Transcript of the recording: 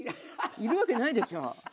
要るわけないでしょ。